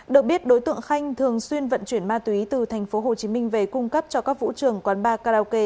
được biết đối tượng khanh thường xuyên vận chuyển ma túy từ thành phố hồ chí minh về cung cấp cho các vũ trường quán ba karaoke